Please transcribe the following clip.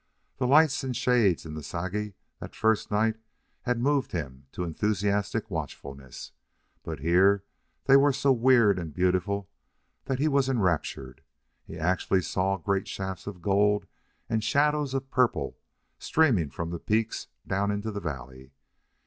The lights and shades in the Sagi that first night had moved him to enthusiastic watchfulness, but here they were so weird and beautiful that he was enraptured. He actually saw great shafts of gold and shadows of purple streaming from the peaks down into the valley.